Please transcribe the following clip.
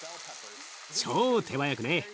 超手早くね。